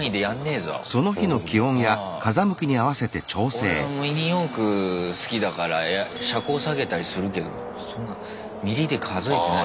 俺はミニ四駆好きだから車高下げたりするけどそんなミリで数えてない。